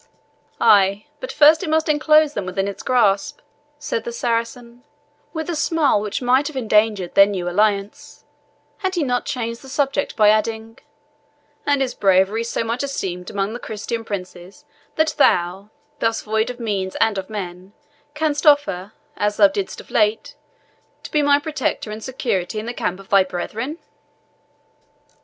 "Ay, but it must first enclose them within its grasp," said the Saracen, with a smile which might have endangered their new alliance, had he not changed the subject by adding, "And is bravery so much esteemed amongst the Christian princes that thou, thus void of means and of men, canst offer, as thou didst of late, to be my protector and security in the camp of thy brethren?"